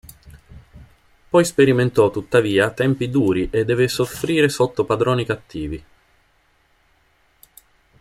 Poi sperimentò, tuttavia, tempi duri e deve soffrire sotto padroni cattivi.